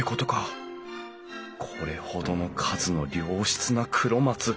これほどの数の良質な黒松